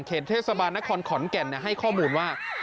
เทศบาลนครขอนแก่นให้ข้อมูลว่า